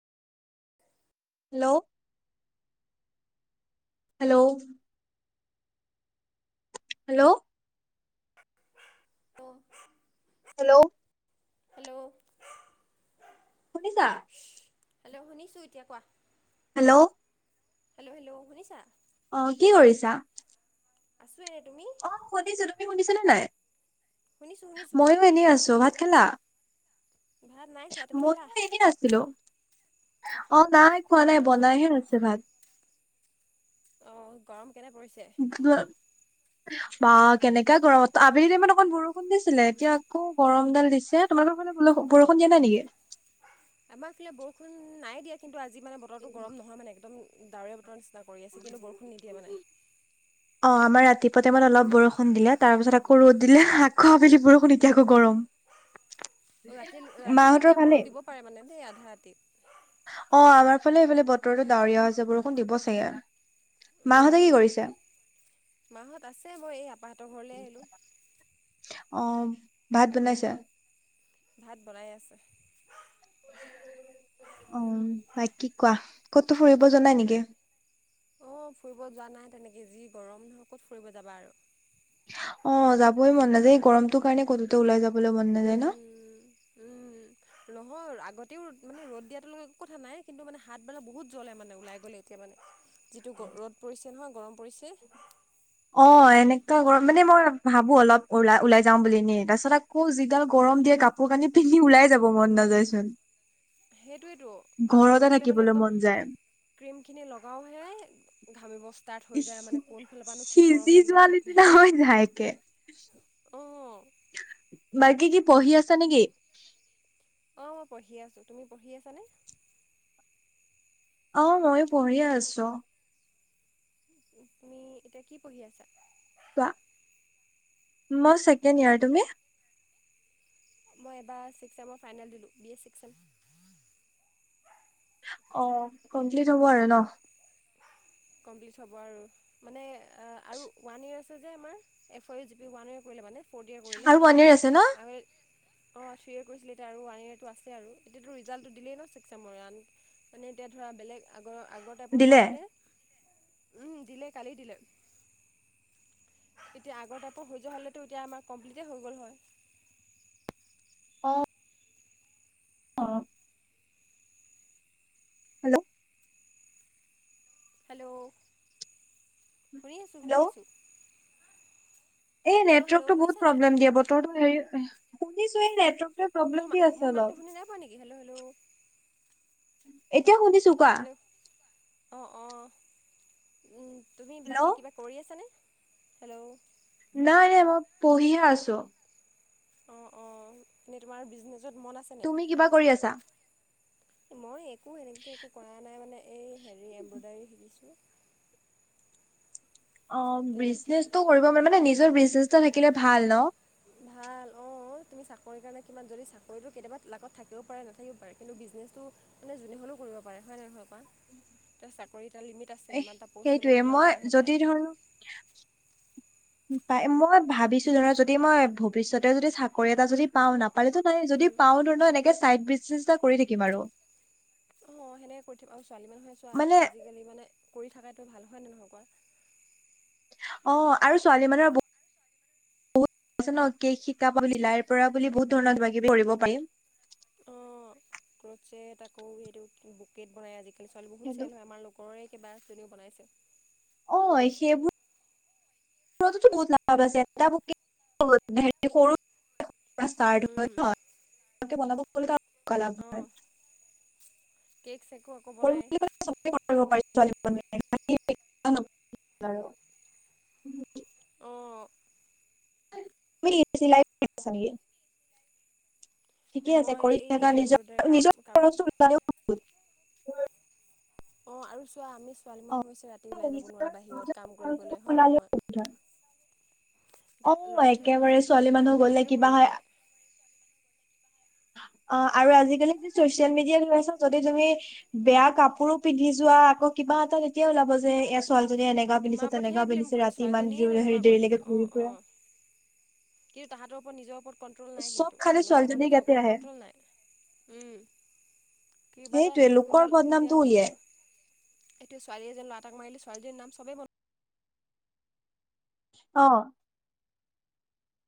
Hello hello. Hello. ক hello hello শুনিছা। Hello শুনিছোঁ এতিয়া কোৱা। হেল্ল'। হেল্ল' হেল্ল শুনিছা। অ কি কৰিছা? আছে এনেই তুমি? অ শুনিছো তুমি শুনিছা নে নাই শুনিছোঁ শুনিছোঁ কি মইয়ো এনেই কৰিছা আছো ভাত খলা? ভাত নাই খোৱা তুমি ময়ো খালা এনেই আছিলো অ নাই খোৱা নাই অঁ অঁ বনাইহে আছে ভাত। অ গৰম কেনে পৰিছে। বা কেনেকা গৰমত আবেলি টাইমত অকণ বৰষুণ দিছিলে এতিয়া আকৌ গৰমডাল দিছে তোমালোকৰ ফালে বল বৰষুণ দিয়া নাই নেকি। আমাৰফালে বৰষুণ নাই দিয়া কিন্তু আজি মানে বতৰটো গৰম নহয় মানে একদম ডাৱৰে বতৰ নি চিনা কৰি আছে কিন্তু বৰষুণ নিদিয়ে মানে। অ আমাৰ ৰাতিপুৱা টাইমত অলপ বৰষুণ দিলে তাৰপিছত আকৌ ৰ'দ দিলে আকৌ আবেলি বৰষুণ এতিয়া আকৌ গৰম। ৰাতি মাহঁতৰ ৰাতিলৈকে আকৌ ভালেই দিব পাৰে মানে দেই আধা ৰাতি। অ আমাৰ ফালে এইফালে বতৰতো ডাৱৰীয়া হৈছে বৰষুণ দিব চাগে। উম মাহঁতে কি উম, কৰিছে মাহত আছে মই এই আপাহতৰ ঘৰলৈ আহিলোঁ। অ ভাত বনাইছা? ভাত বনাই আছে। উম বা কি কোৱা কতো ফুৰিব জাই নেকি? অঁ ফুৰিব যোৱা নাই তেনেকৈ যি গৰম নহওক ক'ত ফুৰিব যাবা আৰু? অ যাবই মন নাযায়, এই গৰমটোৰ কাৰণে কতো ওলাই যাবলৈ মন নাযায় ন? উম নহয় আগতেও মানে ৰত দিয়াতো একো কথা নাই কিন্তু মানে হাত বেলা বহুত জ্বলে মানে ওলাই গ'লে এতিয়া মানে যিটো ৰ ৰ'দ পৰিছে নহয় গৰম পৰিছে? অ এনেকুৱা গৰম মানে মই ভাবো অলপ ওল ওলাই যাওঁ বুলি নে তাৰপিছত আকৌ যি ডাল উম, গৰম দিয়ে কাপোৰ কানি পিন্ধি ওলাই যাব মন নাযায় চোন? সেইটোৱেইটো কাপোৰ পিন্ধিলে মানে একদম মন যায় ক্ৰীমখিনি লগাওঁহে ঘামি বস ষ্টাৰ্ট হৈ ইচ যায় মানে কোন ফালৰ পৰানো কি সিজি গৰম লাগি যোৱা যায় ঠিক নিচিনা নাই। হৈ যায় একে অঁ। বাকী কি পঢ়ি আছা নেকি? অ মই পঢ়ি আছো, তুমি পঢ়ি আছানে? অ ময়ো পঢ়ি আছো অ। তুমি এতিয়া কি পঢ়ি আছা? কোৱা, মই ছেকেণ্ড ইয়াৰ তুমি? মই এবাৰ ছিক্স ছেমৰ ফাইনেল দিলোঁ বি এ ছিক্স ছেম। অ কমপ্লিট হ'ব আৰু ন? কমপ্লিট হ'ব আৰু। মানে আৰু আ ওৱান ইয়েৰ আছে যে আমাৰ এফৰ জি পি ওৱান ইয়েৰ কৰিলে মানে। ফটিয়াৰ কৰিলে। আৰু ওৱান ইয়েৰ আছে ন আমি অৱ থ্ৰিয়ে কৰিছিলে এতিয়া আৰু ওৱান ইয়েৰটো আছে আৰু এতিয়াতো ৰিজাল্টো দেই ন চিক ছেমৰ ৱান মানে এতিয়া ধৰা বেলেগ আগৰ আগৰ টাইপৰ হোৱা দিলে হ'লে উম দিলে কালি দিলে। এতিয়া আগৰ টাইপ হৈ যোৱা হ'লেতো এতিয়া আমাৰ কমপ্লিটেই হৈ গ'ল হয়। অ। হেল্ল'? হেল্ল', শুনি আছোঁ শুনি হেল্ল' আছোঁ। এই হেল্ল' হেল্ল' নেটৱৰ্কতো শুনিছা বহুত নাই প্ৰব্লেম দিয়ে। বতৰতো হেৰী শুনিছো এই নেটৱৰ্কক মোৰ মা মাতটো শুনি নাইপোৱা নেকি! Hello hello? এতিয়া শুনিছো। কোৱা। হেল্ল', অ অ, উম তুমি বাকী হেল্ল' কিবা কৰি আছনে? হেল্ল'? নাই নাই মই পঢ়িহে আছোঁ। অ অ এনেই তোমাৰ বিজনেচত মন আছ তুমি কিবা কৰি আছা? মই একো এনেকে একো কৰা নাই মানে এই হেৰি এমব্ৰইডাৰী শিকিছোঁ। অ এতিয়া বিজনেচটো কৰিব মানে নিজৰ বিজনেচ এটা থাকিলে ভাল ন? ভাল অ তুমি চাকৰিৰ কাৰণে কিমান যদি চাকৰিটো কেতিয়াবা লাগত থাকিবও পাৰে নাথাকিবও পাৰে। কিন্তু বিজনেছটো মানে যোনে হ'লেও কৰিব পাৰে হয় ন নহয় কোৱা? এতিয়া চাকৰি এটা লিমিট টা আছে এ ইমান এটা প'ষ্ট সেইটোয়ে ল'লে মই ইমানটা মানুহে যদি পায়। ধৰ পাই মই ভাবিছো ধৰা, যদি মই ভৱিষ্যতে যদি চাকৰি এটা যদি পাওঁ নাপালেতো নাই যদি পাওঁ ধৰণৰ এনেকে চাইড বিগনেজ এটা কৰি থাকিম আৰু। অ সেনেকে কৰি থাকিব আৰু ছোৱালী মানুহে চোৱা মানে আজিকালি মানে কৰি থাকাইটো ভাল হয়নে নহয় কোৱা? অ আৰু ছোৱালী মানুহৰ ব কৈছ ন কেক শিকা লিলাইৰ পৰা বুলি বহুত ধৰণৰ কিবা কিবি কৰিব পাৰিম। অ ক্ৰছে আকৌ সেইটো বুকেট বনাই আজিকালি ছোৱালী বহুত সেইটো চেল হয় আমাৰ ল ঘৰৰে কেবা জনীও বনাইছে। অ, এই সেইবো সেইবোৰতোতো বহুত লাভ আছে উম, [unintelligible] ভালকে বনাব কলি [unintelligible] অ, কেক-চেকো কৰিম বুলি ক'লে চবে কৰিব পাৰি ছোৱালী মানুহে [unintelligible] অ', [unintelligible] ঠিকে আছে মই কৰি এই থাকা নিজৰ এম্ব্ৰইডাৰী কাপ -নিজৰ কাপ খৰচটো উলায়ো। অ, আৰু চোৱা আমি ছোৱালী অ মানুহ হৈছে ৰাতি ওলাই যাব নিজৰ নোৱাৰে বাহিৰত নিজৰ কাম খৰচটো কৰিবলৈ হয়নে নহয়? [unintelligible] অ, এতিয়া ল'ৰা মানুহেটো একেবাৰে যি য'ত ছোৱালী মন মানুহ যায় গ'লে সেইটোৱে কৰিব কিবা সেয়া পাৰে। অ, আৰু আজিকালি যদি ছ'চিয়েল মিডিয়াত সোমাইছাঁ যদি তুমি বেয়া কাপোৰো পিন্ধি যোৱা আকৌ কিবা এটা তেতিয়া ওলাব যে এ ছোৱালজনীয়ে এনে তোমাৰ ওপৰতহে ব্লেম কৰে ছোৱালীজনীয়ে হেৰি তেনেকুৱা কৰিছে দেৰিলৈকে ঘূৰি অ', ফুৰে অ', কিন্তু তাহাতৰ ওপৰত নিজৰ ওপৰত কণ্ট্ৰল নাই চব কিন্তু খালি মানুহবিলাকৰ ছোৱালীজনীৰ নিজৰ গাতে ওপৰত আহে কণ্ট্ৰল নাই উম, কিবা এটা সেইটোয়ে লোকৰ কোনোবাল এতিয়া বদনামটো উলিয়াই এতিয়া ছোৱালীএজনীয়ে এজন ল'ৰাটাক মাৰিলে ছোৱালীজনীৰ নাম চবে মনত অ',